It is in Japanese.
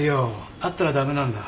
あったら駄目なんだ。